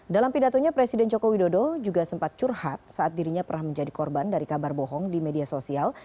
dalam pidatonya presiden joko widodo juga sempat curhat saat dirinya pernah menjadi korban dari kabar bohong di media sosial